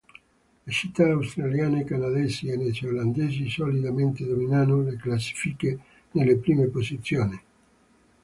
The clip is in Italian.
Le città australiane, canadesi e neozelandesi solitamente dominano le classifiche nelle prime posizioni.